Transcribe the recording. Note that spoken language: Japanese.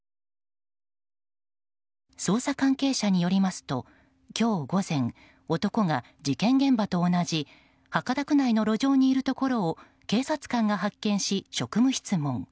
捜査関係者によりますと今日午前男が事件現場と同じ博多区内の路上にいるところを警察官が発見し、職務質問。